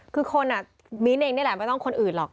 คือคนอ่ะมิ้นท์เองนี่แหละไม่ต้องคนอื่นหรอก